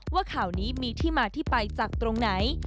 ว่าข่าวนี้มีที่มาที่ไปจากตรงไหน